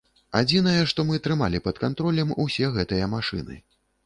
Адзінае, што мы трымалі пад кантролем, усе гэтыя машыны.